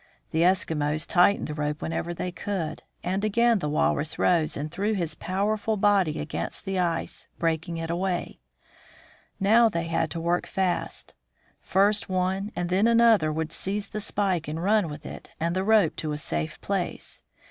The Eskimos tightened the rope whenever they could, and A Walrus Hunt. again the walrus rose and threw his powerful body against the ice, breaking it away; now they had to work fast. First one, and then another, would seize the spike and run with it and the rope to a safe place.